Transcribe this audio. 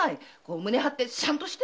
胸張ってシャンとして！